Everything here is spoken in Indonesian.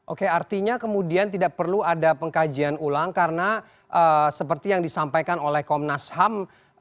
oke artinya kemudian tidak perlu ada pengkajian ulang karena seperti yang disampaikan oleh komnas ham